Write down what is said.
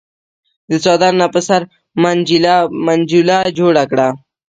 د څادر نه په سر منجيله جوړه کړه۔